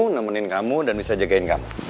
nemenin kamu dan bisa jagain kamu